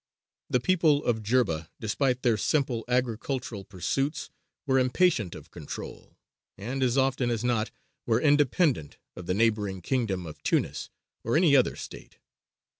The people of Jerba, despite their simple agricultural pursuits, were impatient of control, and, as often as not, were independent of the neighbouring kingdom of Tunis or any other state.